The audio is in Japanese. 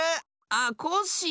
あっコッシー。